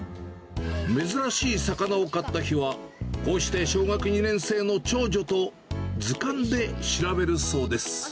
珍しい魚を買った日は、こうして小学２年生の長女と、図鑑で調べるそうです。